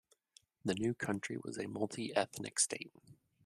The new country was a multi-ethnic state.